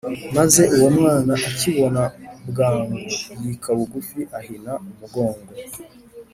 Maze uwo mwana akibona bwangu, Yika bugufi ahina umugongo